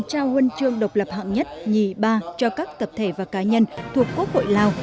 trao huân chương độc lập hạng nhất nhì ba cho các tập thể và cá nhân thuộc quốc hội lào